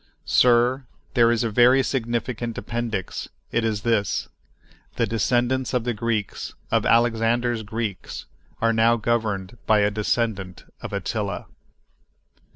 Sir, there is a very significant appendix; it is this: The descendants of the Greeks—of Alexander's Greeks—are now governed by a descendant of Attila!